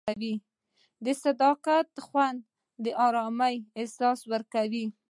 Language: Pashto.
د صداقت خوند د ارامۍ احساس ورکوي.